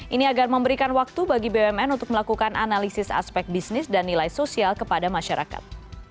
ini agar memberikan waktu bagi bumn untuk melakukan analisis aspek bisnis dan nilai sosial kepada masyarakat